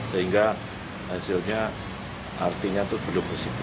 sehingga hasilnya artinya itu belum positif